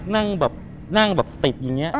นั่งแบบติดอย่างนี้